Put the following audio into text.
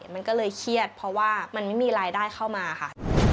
มันก็เลยเครียดเพราะว่ามันไม่มีรายได้เข้ามาค่ะ